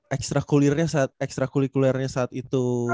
ekstra kulirnya ekstra kulikulernya saat itu